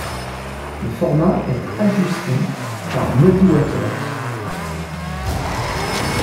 Le format est ajusté par Muddy Waters.